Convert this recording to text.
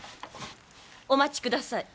お待ちください。